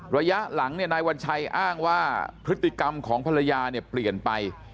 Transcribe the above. ระยะหลังเนี่ยนายวัญชัยอ้างว่าพฤติกรรมของภรรยาเนี่ยเปลี่ยนไป